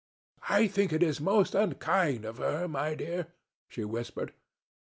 "I think it is most unkind of her, my dear," she whispered.